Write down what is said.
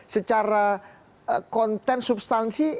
secara konten substansi